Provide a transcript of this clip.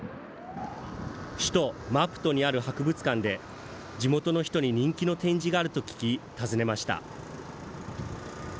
首都マプトにある博物館で、地元の人に人気の展示があると聞き、訪ねました。